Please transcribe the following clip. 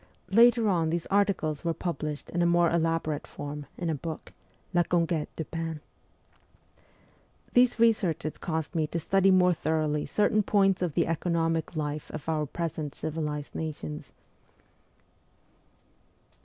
Later on these articles were published in a more elaborate form in a book, ' La Conqu^te du Pain.' These researches caused me to study more thoroughly certain points of the economic life of our 316 MEMOIRS OF A REVOLUTIONIST present civilized nations.